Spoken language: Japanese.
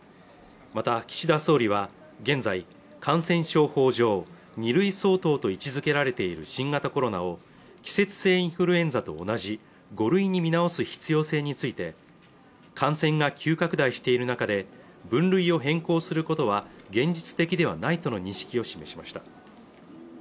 また岸田総理は現在感染症法上２類相当と位置づけられている新型コロナを季節性インフルエンザと同じ５類に見直す必要性について感染が急拡大している中で分類を変更することは現実的ではないとの認識を示しました